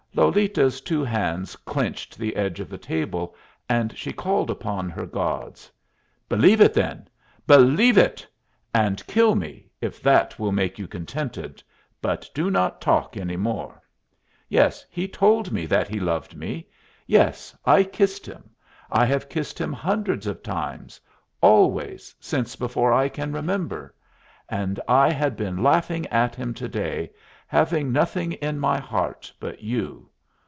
Lolita's two hands clinched the edge of the table, and she called upon her gods. "Believe it, then! Believe it! And kill me, if that will make you contented. But do not talk any more. Yes, he told me that he loved me. Yes, I kissed him; I have kissed him hundreds of times, always, since before I can remember. And I had been laughing at him to day, having nothing in my heart but you.